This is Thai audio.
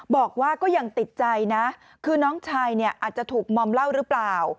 บอกว่าก็ยังติดใจนะคือน้องชายเนี่ยอาจจะถูกมอมเหล้าหรือเปล่า